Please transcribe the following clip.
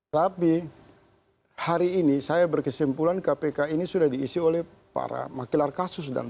tapi hari ini saya berkesimpulan kpk ini sudah diisi oleh para makilar kasus